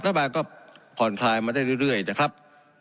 โปรแรงต่างนะครับแล้วก็มาได้เรื่อยเรื่อยนะครับ